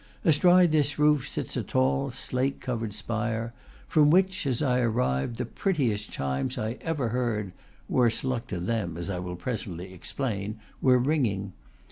Astride this roof sits a tall, slate covered spire, from which, as I arrived, the prettiest chimes I ever heard (worse luck to them, as I will presently explain) were ring ing.